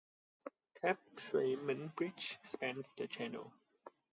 Kap Shui Mun Bridge spans the channel.